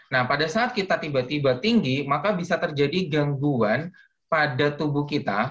nah pada saat kita tiba tiba tinggi maka bisa terjadi gangguan pada tubuh kita